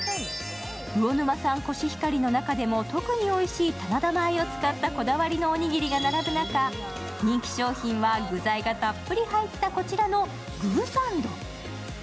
魚沼産コシヒカリの中でも特においしい棚田米を使ったこだわりのおにぎりが並ぶ中、人気商品は具材がたっぷり入ったこちらのぐぅさんど。